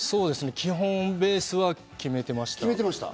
基本、ベースは決めてました。